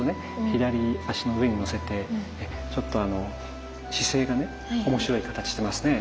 左足の上にのせてちょっと姿勢がね面白い形してますね。